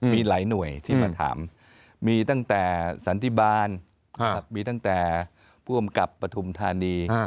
มีหลายหน่วยที่มาถามมีตั้งแต่สันติบาลมีตั้งแต่ผู้อำกับปฐุมธานี